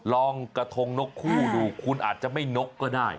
ลองกระทงนกคู่ดูคุณอาจจะไม่นกก็ได้